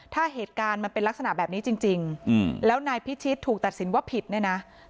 ถ้าเหตุการณ์มันเป็นลักษณะแบบนี้จริงแล้วนายพิชิตถูกตัดสินว่าผิดเนี่ยนะ